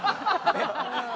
えっ？